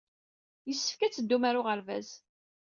Yessefk ad teddum ɣer uɣerbaz.